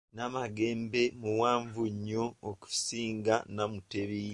Namagembe muwanvu okusinga Namutebi.